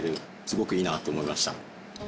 すごくいいなと思いました。